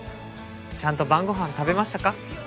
ちゃんと晩ご飯食べましたか？